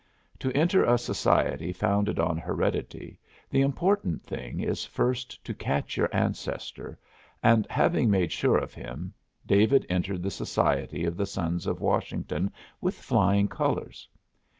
To enter a society founded on heredity, the important thing is first to catch your ancestor, and having made sure of him, David entered the Society of the Sons of Washington with flying colors.